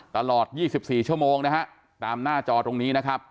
ตลอด๒๔ชั่วโมงนะฮะตามหน้าจอตรงนี้นะครับ